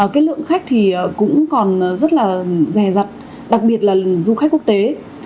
cái lượng khách thì cũng còn rất là rè rặt đặc biệt là du khách quốc tế